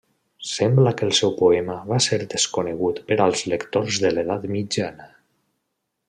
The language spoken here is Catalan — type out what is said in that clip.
Sembla que el seu poema va ser desconegut per als lectors de l'edat mitjana.